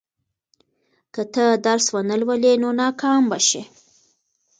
که ته درس ونه لولې، نو ناکام به شې.